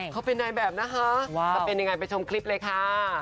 เขาเป็นนายแบบนะคะว่าจะเป็นยังไงไปชมคลิปเลยค่ะ